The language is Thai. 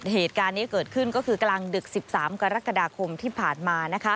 เหตุการณ์นี้เกิดขึ้นก็คือกลางดึก๑๓กรกฎาคมที่ผ่านมา